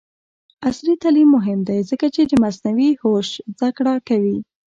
عصري تعلیم مهم دی ځکه چې د مصنوعي هوش زدکړه کوي.